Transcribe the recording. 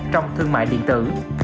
trong thương mại điện tử